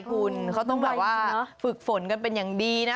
คุณเขาต้องแบบว่าฝึกฝนกันเป็นอย่างดีนะ